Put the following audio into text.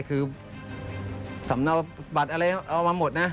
คือสำเนาบัตรอะไรเอามาหมดนะ